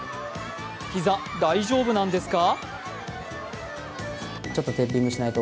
膝、大丈夫なんですか？